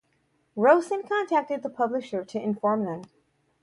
Rosen contacted the publisher to inform them.